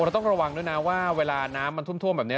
ต้องระวังด้วยนะว่าเวลาน้ำมันท่วมแบบนี้